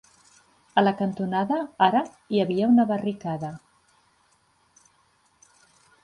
A la cantonada ara hi havia una barricada